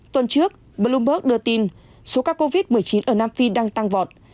tuần trước bloomberg đưa tin số ca covid một mươi chín ở nam phi đang tăng vọt